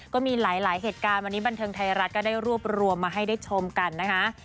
ก็มีหลายเหตุการณ์วันนี้บันเทิงไทยรัฐก็ได้รวบรวมมาให้ได้ชมกันนะคะ